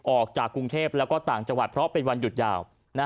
ออกจากกรุงเทพแล้วก็ต่างจังหวัดเพราะเป็นวันหยุดยาว